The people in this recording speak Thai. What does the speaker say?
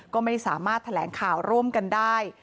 ก็ไม่สามารถแถลงข่าวร่วมกันได้